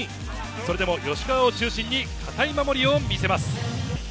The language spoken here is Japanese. それでも吉川を中心に堅い守りを見せます。